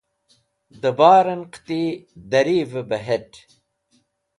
Dẽ barẽn qẽti darivẽ bẽ het̃.